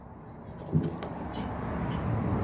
劳巴赫是德国黑森州的一个市镇。